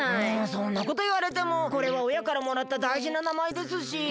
えそんなこといわれてもこれはおやからもらっただいじななまえですし。